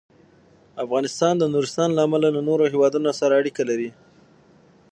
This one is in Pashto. افغانستان د نورستان له امله له نورو هېوادونو سره اړیکې لري.